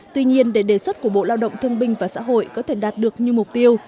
tuy nhiên để đề xuất của bộ lao động thương binh và xã hội có thể đạt được như mục tiêu